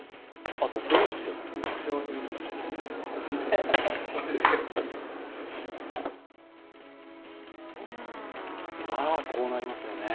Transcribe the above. あとベンチでもまあこうなりますよね。